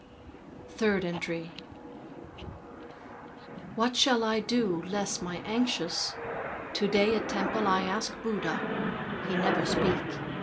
Third Entry What shall I do to less my anxious? To day at temple I ask Buddha. He never speak.